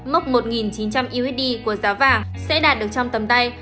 mốc một chín trăm linh usd của giá vàng sẽ đạt được trong tầm tay